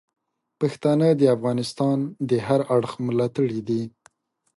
پښتانه د افغانستان د هر اړخ ملاتړي دي.